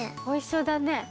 おいしそうだね。